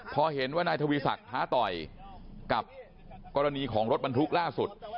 พอเห็นว่านายทวีศักดิ์ท้าต่อยกับกรณีของรถบรรทุกล่าสุด